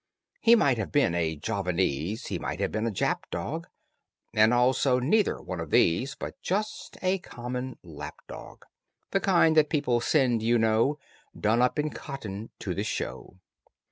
He might have been a Javanese, He might have been a Jap dog, And also neither one of these, But just a common lapdog, The kind that people send, you know, Done up in cotton, to the Show.